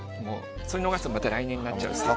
それを逃すとまた来年になっちゃうんです。